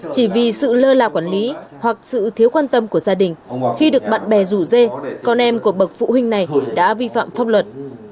chỉ vì sự lơ là quản lý hoặc sự thiếu quan tâm của gia đình khi được bạn bè rủ dê con em của bậc phụ huynh này đã vi phạm pháp luật